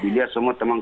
biar semua teman